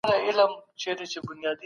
په غونډو کي باید د منطق خبره وسي.